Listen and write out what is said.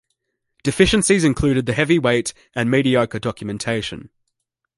Deficiencies included the heavy weight and mediocre documentation.